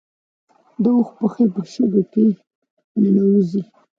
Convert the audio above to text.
د اوښ پښې په شګو کې نه ننوځي